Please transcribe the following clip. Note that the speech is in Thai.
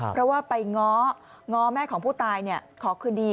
เพราะว่าไปง้อง้อแม่ของผู้ตายขอคืนดี